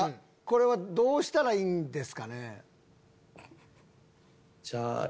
これはどうしたらいいんですかね？